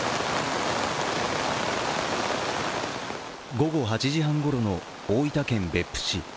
午後８時半ごろの大分県別府市。